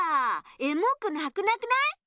エモくなくなくない？